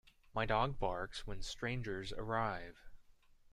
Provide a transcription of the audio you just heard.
My dog barks when strangers arrive.